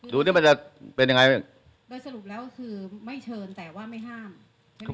ดูสิมันจะเป็นยังไงโดยสรุปแล้วก็คือไม่เชิญแต่ว่าไม่ห้าม